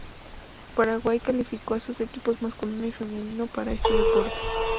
Paraguay calificó a sus equipos masculino y femenino para este deporte.